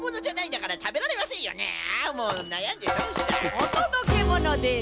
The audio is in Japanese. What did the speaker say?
おとどけものです。